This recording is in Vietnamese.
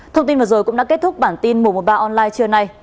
thông tin vừa rồi cũng đã kết thúc bản tin mùa một mươi ba online trưa nay